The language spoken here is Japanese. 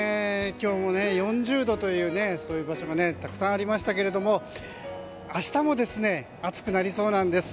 今日も４０度というそういう場所がたくさんありましたけど明日も暑くなりそうなんです。